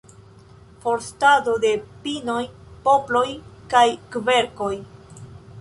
Forstado de pinoj, poploj kaj kverkoj.